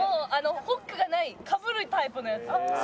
ホックがないかぶるタイプのやつを。